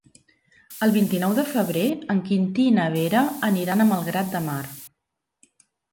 El vint-i-nou de febrer en Quintí i na Vera aniran a Malgrat de Mar.